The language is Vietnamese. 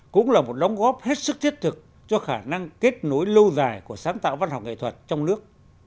cũng là một đóng góp hết sức thiết thực cho khả năng kết nối lâu dài của sáng tạo văn học nghệ thuật trong nước